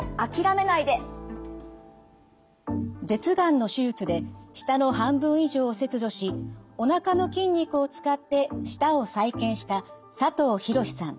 舌がんの手術で舌の半分以上を切除しおなかの筋肉を使って舌を再建した佐藤博さん。